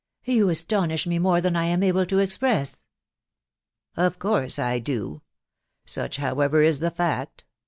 You astonish me more than I am able to express ?"" Of course I do. ... Such, however, is the fact.